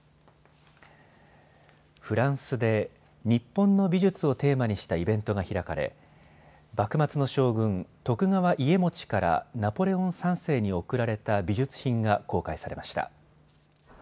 フランスで日本の美術をテーマにしたイベントが開かれ幕末の将軍、徳川家茂からナポレオン３世に贈られた美術品が公開されました。